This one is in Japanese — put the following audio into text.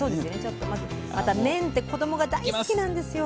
また麺って子どもが大好きなんですよ。